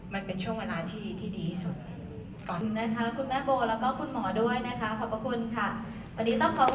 มันเป็นช่วงเวลาที่ดีที่สุด